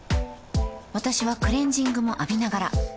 私はクレジングも浴びながら